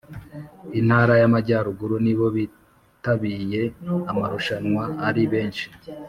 Intara y’ amajyaruguru nibo bitabiye amarushanwa ari benshi